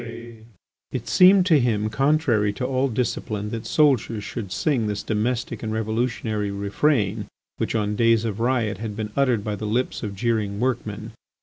It seemed to him contrary to all discipline that soldiers should sing this domestic and revolutionary refrain which on days of riot had been uttered by the lips of jeering workmen.